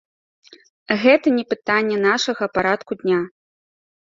Гэта не пытанне нашага парадку дня.